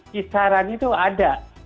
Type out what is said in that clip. kisaran itu ada